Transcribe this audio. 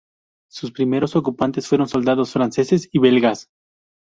Sus primeros ocupantes fueron soldados franceses y belgas.